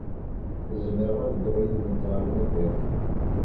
Zemreɣ ad dduɣ yid-went ɣer unafag?